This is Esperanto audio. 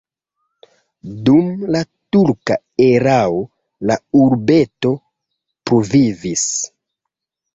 Dum la turka erao la urbeto pluvivis.